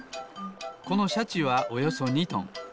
このシャチはおよそ２トン。